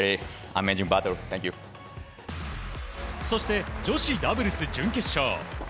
そして、女子ダブルス準決勝。